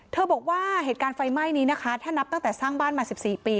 บอกว่าเหตุการณ์ไฟไหม้นี้นะคะถ้านับตั้งแต่สร้างบ้านมา๑๔ปี